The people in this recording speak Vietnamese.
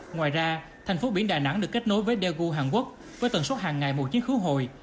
ngoài ra thành phố biển đà nẵng được kết nối với daegu hàn quốc với tần suất hàng ngày một chiến khứ hồi